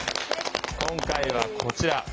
今回はこちら。